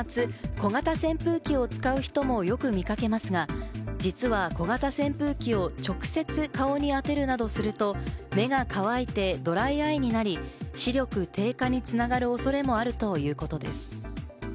小型扇風機を使う人もよく見掛けますが、実は小型扇風機を直接顔に当てるなどすると、目が乾いてドライアイになり、視力低下に繋がる恐れもあるということです。